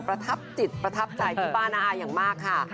ประทับจิตประทับใจพี่ป้าน้าอาอย่างมากค่ะ